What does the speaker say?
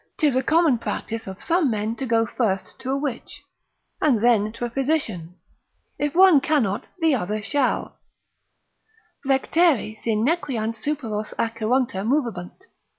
'Tis a common practice of some men to go first to a witch, and then to a physician, if one cannot the other shall, Flectere si nequeant superos Acheronta movebunt.